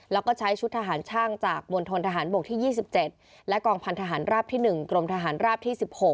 แล้วก็ใช้ชุดทหารช่างจากมณฑนทหารบกที่๒๗และกองพันธหารราบที่๑กรมทหารราบที่๑๖